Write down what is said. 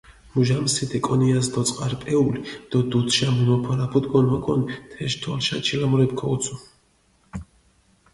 მუჟამსით ეკონიას დოწყარჷ პეული დო დუდშა მუნუფორაფუდუკონ ოკონ თეშ, თოლშა ჩილამურეფქ ქოუცუ.